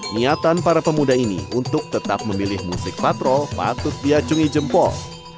niatan para pemuda ini untuk tetap memilih musik patrol patut diacungi jempol